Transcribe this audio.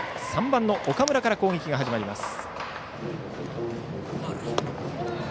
３番、岡村から攻撃が始まります。